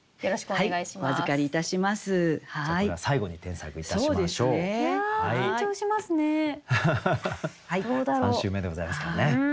３週目でございますからね。